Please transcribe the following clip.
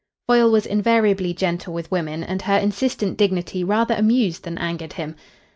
Foyle was invariably gentle with women, and her insistent dignity rather amused than angered him.